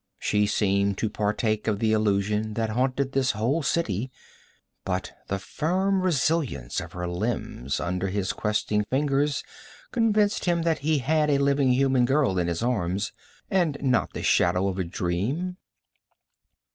She seemed to partake of the illusion that haunted this whole city, but the firm resilience of her limbs under his questing fingers convinced him that he had a living human girl in his arms, and not the shadow of a dream.